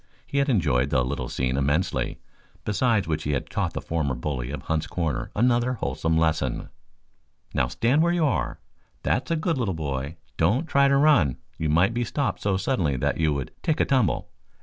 He had enjoyed the little scene immensely, besides which he had taught the former bully of Hunt's Corners another wholesome lesson. "Now stand where you are, that's a good little boy. Don't try to run. You might be stopped so suddenly that you would take a tumble.